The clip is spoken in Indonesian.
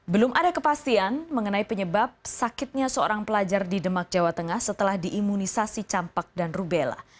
belum ada kepastian mengenai penyebab sakitnya seorang pelajar di demak jawa tengah setelah diimunisasi campak dan rubella